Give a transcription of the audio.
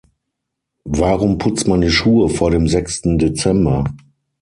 Warum putzt man die Schuhe vor dem sechsten Dezember?